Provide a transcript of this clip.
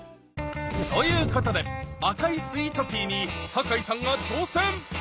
ということで「赤いスイートピー」に坂井さんが挑戦！